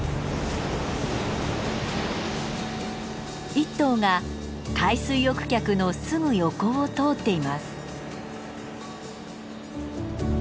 １頭が海水浴客のすぐ横を通っています。